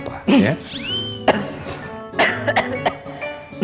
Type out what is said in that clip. panggil aja papa